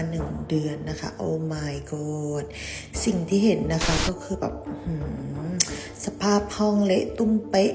หนึ่งเดือนนะคะโอไมค์กอดสิ่งที่เห็นนะคะก็คือแบบสภาพห้องเละตุ้มเป๊ะ